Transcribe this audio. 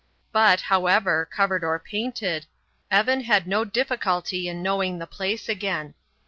But, however, covered or painted, Evan had no difficult in knowing the place again.